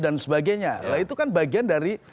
dan sebagainya nah itu kan bagian dari